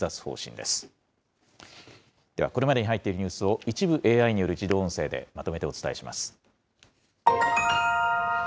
では、これまでに入っているニュースを、一部ＡＩによる自動音声でまとめてお伝えします。